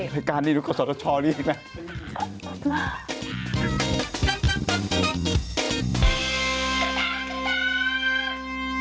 รายการนี้ดูกระสอร์ธชอนี่อีกแล้ว